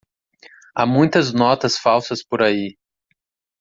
Há muitas notas falsas por aí.